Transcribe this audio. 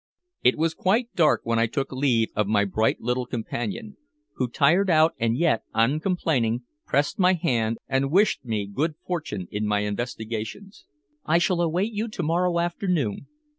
It was quite dark when I took leave of my bright little companion, who, tired out and yet uncomplaining, pressed my hand and wished me good fortune in my investigations. "I shall await you to morrow afternoon.